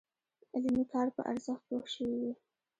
علمي کار په ارزښت پوه شوي وي.